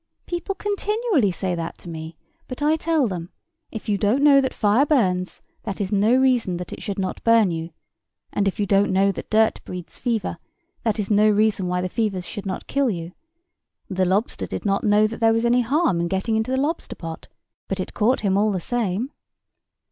People continually say that to me: but I tell them, if you don't know that fire burns, that is no reason that it should not burn you; and if you don't know that dirt breeds fever, that is no reason why the fevers should not kill you. The lobster did not know that there was any harm in getting into the lobster pot; but it caught him all the same."